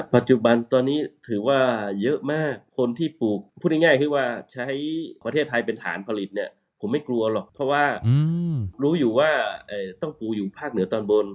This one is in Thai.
ปัจจุบันตอนนี้ถือว่าเยอะมากคนที่ปลูกพูดง่ายคือว่าใช้ประเทศไทยเป็นฐานผลิตเนี่ยผมไม่กลัวหรอกเพราะว่ารู้อยู่ว่าต้องปลูกอยู่ภาคเหนือตอนบน